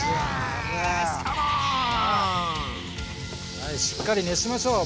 はいしっかり熱しましょうもう最後！